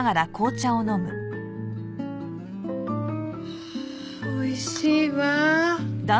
はあおいしいわ。